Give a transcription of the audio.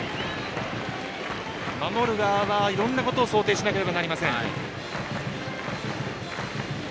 守る側はいろいろなことを想定しなければなりません。